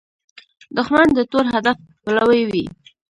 دښمن د تور هدف پلوي وي